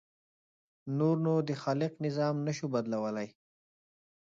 نور نو د خالق نظام نه شو بدلولی.